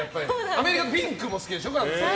アメリカでピンクも好きでしょ。